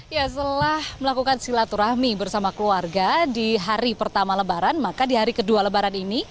ya setelah melakukan silaturahmi bersama keluarga di hari pertama lebaran maka di hari kedua lebaran ini